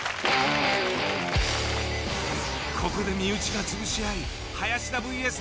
ここで身内が潰し合い。